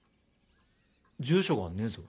住所がねえぞ。